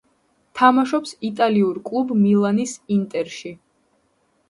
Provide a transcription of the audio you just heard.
თამაშობს იტალიურ კლუბ მილანის „ინტერში“.